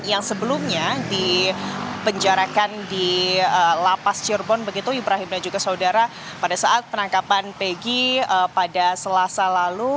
yang sebelumnya dipenjarakan di lapas cirebon begitu ibrahim dan juga saudara pada saat penangkapan pegi pada selasa lalu